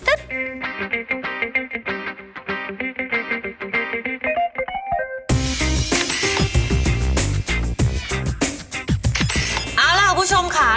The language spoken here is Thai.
เอาล่ะคุณผู้ชมค่ะ